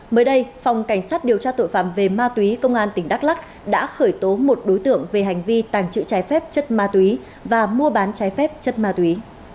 mới đây phòng cảnh sát điều tra tội phạm về ma túy công an tỉnh đắk lắc đã khởi tố một đối tượng về hành vi tàng trữ trái phép chất ma túy và mua bán trái phép chất ma túy